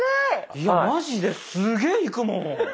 いやマジですげえいくもん。